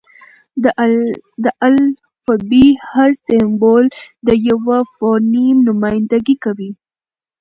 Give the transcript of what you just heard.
د الفبې: هر سېمبول د یوه فونیم نمایندګي کوي.